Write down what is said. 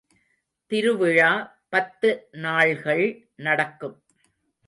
திருவிழா பத்து நாள்கள் நடக்கும்.